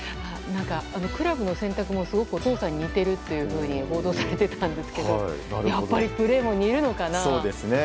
クラブの選択もお父さんに似てるというふうに報道されていたんですけどやっぱりプレーも似るのかな。